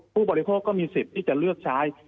ผู้บริโภคก็มีสิทธิ์ที่จะเลือกใช้